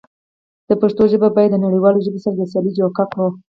د پښتو ژبه بايد د نړيوالو ژبو سره د سيالی جوګه کړو.